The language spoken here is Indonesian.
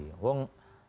ya sudah sudah